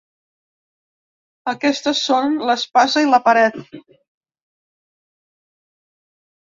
Aquestes són l’espasa i la paret.